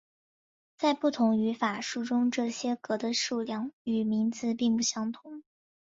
在不同的语法书中这些格的数量与名字并不相同。